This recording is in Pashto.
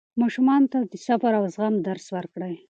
ماشومانو ته د صبر او زغم درس ورکړئ.